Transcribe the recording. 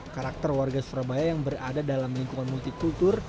karakter warga surabaya yang berada dalam lingkungan multikultur